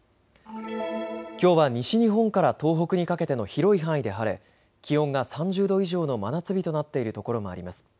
きょうは西日本から東北にかけての広い範囲で晴れ気温が３０度以上の真夏日となっているところもあります。